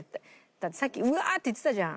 だってさっき「うわー！」って言ってたじゃん。